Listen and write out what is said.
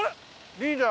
リーダー